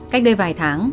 cách đây vài tháng